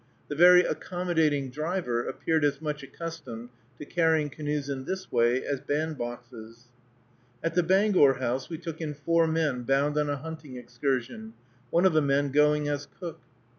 The very accommodating driver appeared as much accustomed to carrying canoes in this way as bandboxes. At the Bangor House we took in four men bound on a hunting excursion, one of the men going as cook.